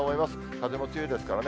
風も強いですからね。